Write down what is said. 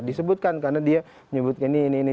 disebutkan karena dia menyebutkan ini ini